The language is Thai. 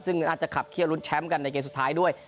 ซึ่งน่าจะขับเคี่ยวรุ้นแชมป์กันในเกมสุดท้ายด้วย